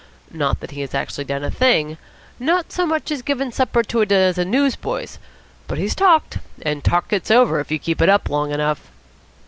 Not that he has actually done a thing not so much as given a supper to a dozen news boys; but he's talked, and talk gets over if you keep it up long enough."